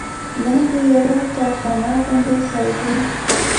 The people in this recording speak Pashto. لاندې یوه تاخانه غوندې ځای دی.